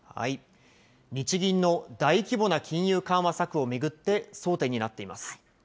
日銀の大規模な金融緩和策を巡って、争点になっています。